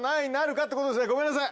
ごめんなさい